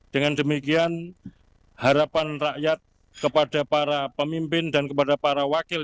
dengan demikian harapan rakyat kepada para pemimpin dan kepada para wakil